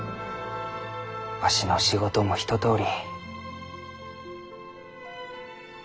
わしの仕事も一とおり。